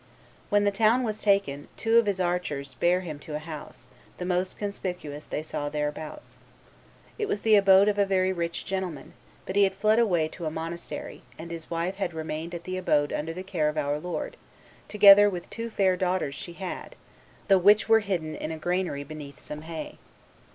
When the town was taken, two of his archers bare him to a house, the most conspicuous they saw thereabouts. It was the abode of a very rich gentleman; but he had fled away to a monastery, and his wife had remained at the abode under the care of Our Lord, together with two fair daughters she had, the which were hidden in a granary beneath some hay.